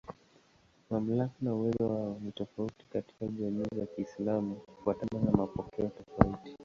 Mamlaka na uwezo wao ni tofauti katika jamii za Kiislamu kufuatana na mapokeo tofauti.